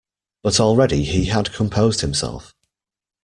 But already he had composed himself.